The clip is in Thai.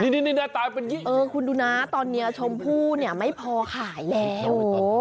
เหมือนลูกค้ามากดูนะตอนนี้ชมพูเนี่ยไม่พอขายแล้ว